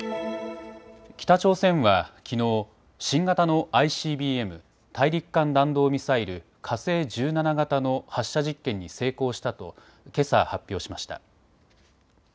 北朝鮮はきのう、新型のＩＣＢＭ・大陸間弾道ミサイル火星１７型の発射実験に成功したとけさ発表しました。